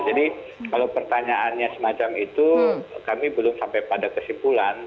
jadi kalau pertanyaannya semacam itu kami belum sampai pada kesimpulan